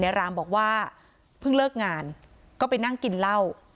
รามบอกว่าเพิ่งเลิกงานก็ไปนั่งกินเหล้า